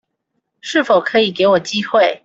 是否可以給我機會